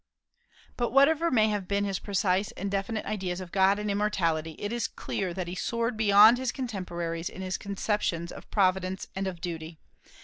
But whatever may have been his precise and definite ideas of God and immortality, it is clear that he soared beyond his contemporaries in his conceptions of Providence and of duty.